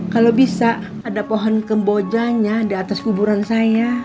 kalau bisa ada pohon kembojanya di atas kuburan saya